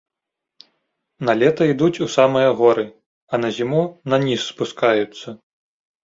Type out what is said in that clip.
На лета ідуць у самыя горы, а на зіму на ніз спускаюцца.